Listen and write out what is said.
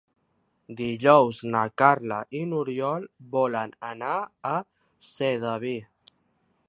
Dijous na Carla i n'Oriol volen anar a Sedaví.